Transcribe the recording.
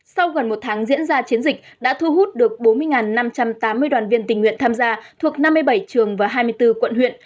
sau gần một tháng diễn ra chiến dịch đã thu hút được bốn mươi năm trăm tám mươi đoàn viên tình nguyện tham gia thuộc năm mươi bảy trường và hai mươi bốn quận huyện